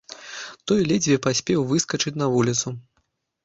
Той ледзьве паспеў выскачыць на вуліцу.